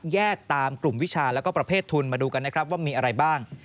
แยกตามกลุ่มวิชาแล้วก็ประเภททุนมาดูกันนะครับว่ามีอะไรบ้าง